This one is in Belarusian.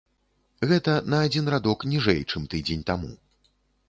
Гэта на адзін радок ніжэй, чым тыдзень таму.